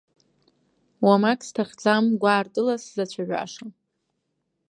Уамак сҭахӡам, гәаартыла сзацәажәаша.